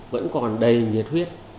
vẫn còn đầy nhiệt huyết